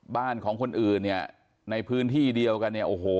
บ้านของคนอื่นเนี่ยในพื้นที่เดียวกันเนี่ยโอ้โห